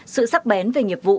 sự sắc bén về nhiệm vụ